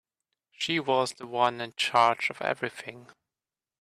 She was the one in charge of everything.